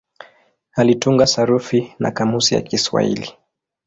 Alitunga sarufi na kamusi ya Kiswahili.